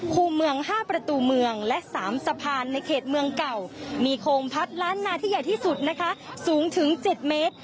คู่เมือง๕ประตูเมืองและ๓สะพานในเขตเมืองเก่ามีโคมพัดล้านนาที่ใหญ่ที่สุดนะคะสูงถึง๗เมตร